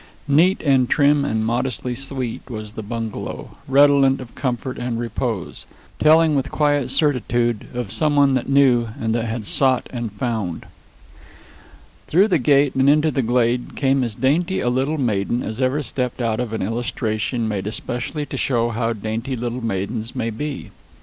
Neat and trim and modestly sweet was the bungalow, redolent of comfort and repose, telling with quiet certitude of some one that knew, and that had sought and found. Through the gate and into the glade came as dainty a little maiden as ever stepped out of an illustration made especially to show how dainty little maidens may be.